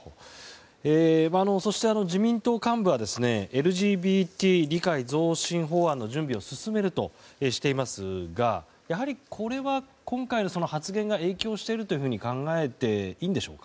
そして、自民党幹部はＬＧＢＴ理解増進法案の準備を進めるとしていますがやはり、これは今回の発言が影響していると考えていいんでしょうか？